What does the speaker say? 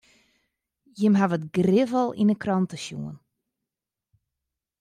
Jimme hawwe it grif al yn de krante sjoen.